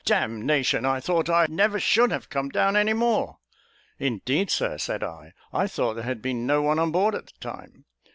Damnation! I thought I never should have come down any more." "Indeed, Sir," said I, "I thought there had been no one on board at the time."